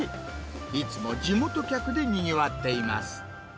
いつも地元客でにぎわっています。